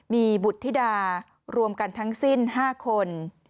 มีบุตรธิดารวมกันทั้งสิ้น๕คน